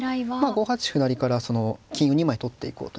５八歩成から金を２枚取っていこうという。